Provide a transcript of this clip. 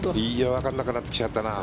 わからなくなってきちゃったな。